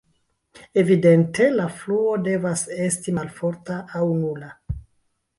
Evidente la fluo devas esti malforta aŭ nula.